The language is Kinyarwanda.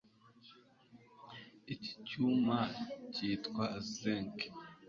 Iki cyuma cyitwa zinc